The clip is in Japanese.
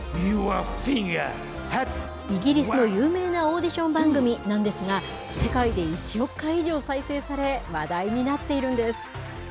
イギリスの有名なオーディション番組なんですが、世界で１億回以上再生され、話題になっているんです。